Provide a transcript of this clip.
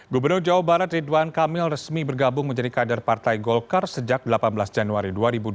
gubernur jawa barat ridwan kamil resmi bergabung menjadi kader partai golkar sejak delapan belas januari dua ribu dua puluh